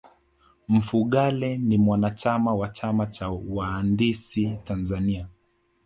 mfugale ni mwanachama wa chama cha wahandisi tanzania